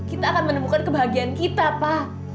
kita akan menemukan kebahagiaan kita pak